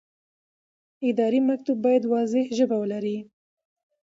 اداري مکتوب باید واضح ژبه ولري.